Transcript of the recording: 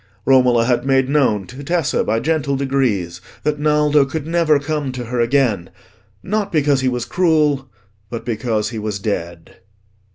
Romola had made known to Tessa, by gentle degrees, that Naldo could never come to her again: not because he was cruel, but because he was dead.